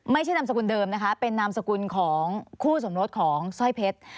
ไม่ใช่นามสกุลเดิมนะคะเป็นนามสกุลของคู่สมรสของสร้อยเพชร